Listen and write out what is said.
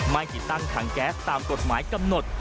ไม่ติดตั้งถังแก๊สตามกฎหมายกำหนด